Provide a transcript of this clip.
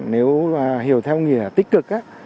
nếu hiểu theo nghĩa tích cực